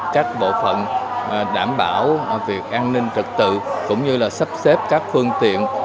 các bộ phận đảm bảo việc an ninh trật tự cũng như là sắp xếp các phương tiện